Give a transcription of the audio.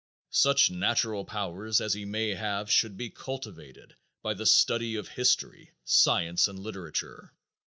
Such natural powers as he may have should be cultivated by the study of history, science and literature.